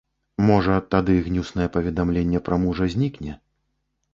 Можа, тады гнюснае паведамленне пра мужа знікне.